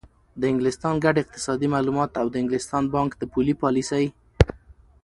د انګلستان ګډ اقتصادي معلومات او د انګلستان بانک د پولي پالیسۍ